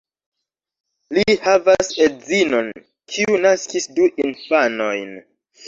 Li havas edzinon, kiu naskis du infanojn.